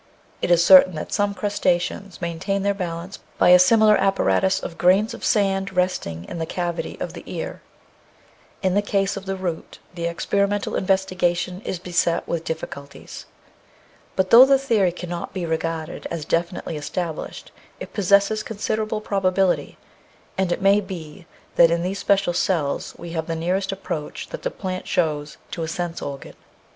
It is certain that some Crustaceans maintain their balance by a similar apparatus of grains of sand resting in the cavity of the ear. In the case of the root the experimental investigation is beset with difficulties. But though the theory can not be regarded as definitely established it possesses considerable probability, and it may be that in these special cells we have the nearest approach that the plant shows to a sense organ.